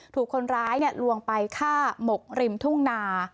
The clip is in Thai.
ถูกคนร้ายลวงไปฆ่าหมกริมทุ่งนา